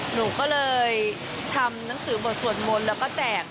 หนูก็เลยทำหนังสือบทสวดมนต์แล้วก็แจก